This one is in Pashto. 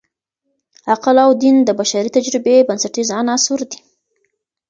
عقل او دین د بشري تجربې بنسټیز عناصر دي.